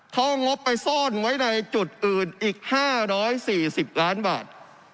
เขาเอางบไปซ่อนไว้ในจุดอื่นอีก๕๔๐ล้านบาท